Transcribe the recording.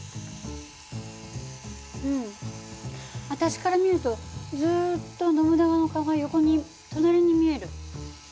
うん私から見るとずっとノブナガの顔が横に隣に見える。